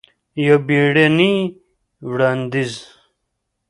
یو بیړنې وړاندیز!